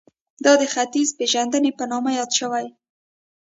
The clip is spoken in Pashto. دا ختیځپېژندنې په نامه یادې شوې